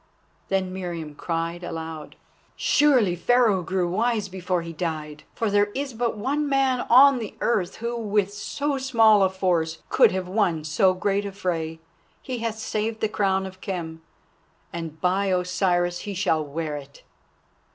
Then Meriamun cried aloud: "Surely Pharaoh grew wise before he died, for there is but one man on the earth who with so small a force could have won so great a fray. He hath saved the crown of Khem, and by Osiris he shall wear it."